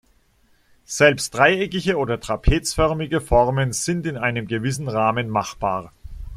Selbst dreieckige oder trapezförmige Formen sind in einem gewissen Rahmen machbar.